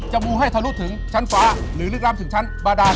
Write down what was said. มูให้ทะลุถึงชั้นฟ้าหรือลึกล้ำถึงชั้นบาดาน